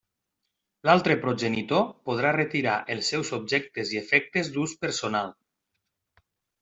L'altre progenitor podrà retirar els seus objectes i efectes d'ús personal.